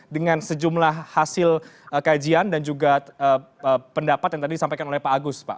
dengan sejumlah hasil kajian dan juga pendapat yang tadi disampaikan oleh pak agus pak